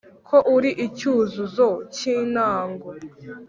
Ko uri icyuzuzo cyintango.